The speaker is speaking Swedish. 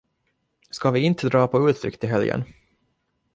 Ska vi inte dra på utflykt i helgen?